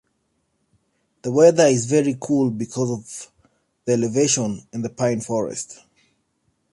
The weather is very cool because of the elevation and the Pine forests.